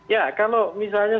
ya kalau misalnya soal elektibilitas